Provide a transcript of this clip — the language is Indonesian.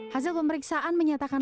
hasil pemeriksaan menyatakan